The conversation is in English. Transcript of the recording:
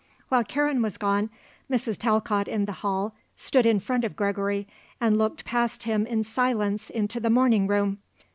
While Karen was gone, Mrs. Talcott in the hall stood in front of Gregory and looked past him in silence into the morning room.